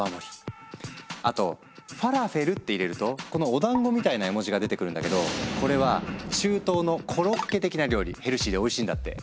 あと「ふぁらふぇる」って入れるとこのおだんごみたいな絵文字が出てくるんだけどこれは中東のコロッケ的な料理ヘルシーでおいしいんだって。